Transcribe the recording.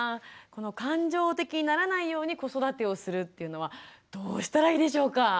この感情的にならないように子育てをするっていうのはどうしたらいいでしょうか？